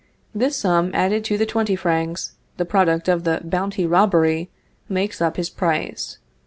This sum added to the twenty francs, the product of the bounty robbery, makes up his price.